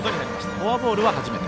フォアボールは初めて。